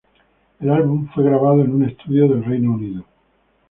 El álbum fue grabado en un estudio del Reino Unido.